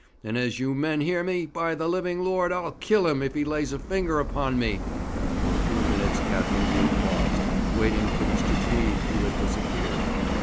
and, as you men hear me, by the living Lord, I'll kill him if he lays a finger upon me!' For a few minutes Captain Glew paused, waiting for Mr. Tweed, who had disappeared.